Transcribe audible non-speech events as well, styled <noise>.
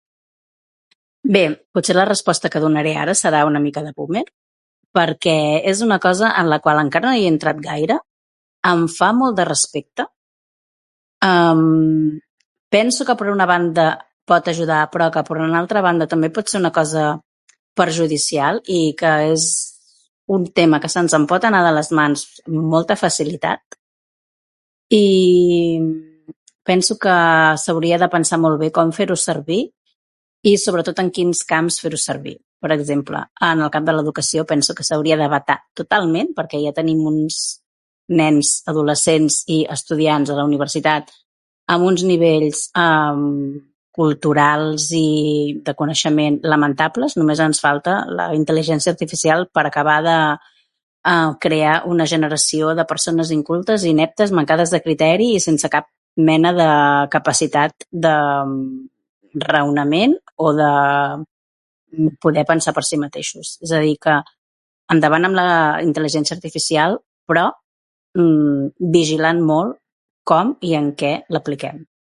Bé, potser la resposta que donaré ara serà una mica de boomer, perquè és una cosa en la qual encara no hi he entrat gaire, em fa molt de respecte, <hesitation> penso que, per una banda, pot ajudar, però que, per una altra banda, també pot ser una cosa perjudicial, i que és un tema que se'ns en pot anar de les mans amb molta facilitat; i penso que s'hauria de pensar molt bé com fer-ho servir i sobretot en quins camps fer-ho servir. Per exemple, en el camp de l'educació penso que s'hauria de vetar totalment, perquè ja tenim uns nens, adolescents i estudiants a la universitat, amb uns nivells <hesitation> culturals i de coneixement lamentables, només ens falta la intel·ligència artificial per acabar de <hesitation> crear una generació de persones incultes, ineptes, mancades de criteri i sense cap mena de capacitat de raonament o de poder pensar per si mateixos. És a dir que, endavant amb la intel·ligència artificial, però, <hesitation> vigilant molt com i en què l'apliquem.